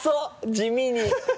地味に。